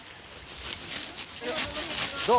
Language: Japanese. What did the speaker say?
どう？